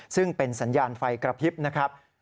ซึ่งเป็นสัญญาณไฟกระพริบนะครับ